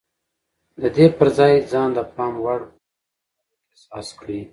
د دې پر ځای ځان د پام وړ پيسو مالک احساس کړئ.